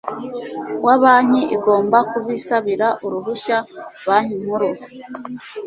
wa banki igomba kubisabira uruhushya Banki Nkuru